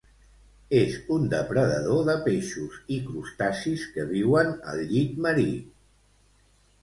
És un depredador de peixos i crustacis que viuen al llit marí.